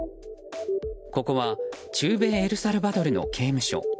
ここは中米エルサルバドルの刑務所。